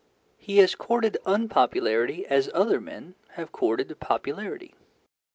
He has courted unpopularity as other men have courted popularity.